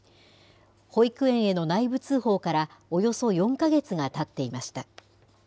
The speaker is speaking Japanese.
保育園への内部通報からおよそ４か月がたっていました。